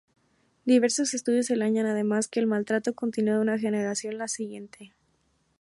Diversos estudios señalan además que el maltrato continúa de una generación a la siguiente.